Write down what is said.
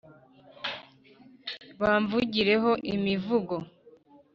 Bamvugireho imivugo